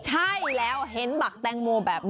มีหลากหลายการแข่งขันคุณผู้ชมอย่างที่บอกอันนี้ปาเป้าเห็นมั้ยก็ม